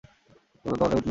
এগুলো তোমাদের উট না?